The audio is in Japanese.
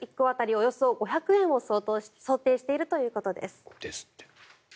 およそ５００円を想定しているということです。ですって。